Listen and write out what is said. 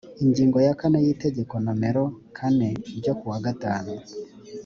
ingingo ya kane y itegeko nomero kane ryo kuwa gatanu